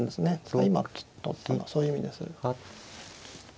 今取ったのはそういう意味です。